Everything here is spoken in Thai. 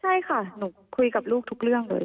ใช่ค่ะหนูคุยกับลูกทุกเรื่องเลย